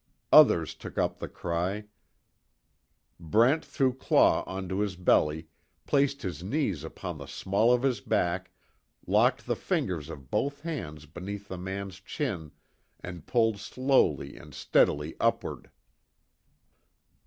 Others took up the cry, Brent threw Claw onto his belly, placed his knees upon the small of his back, locked the fingers of both hands beneath the man's chin and pulled slowly and steadily upward.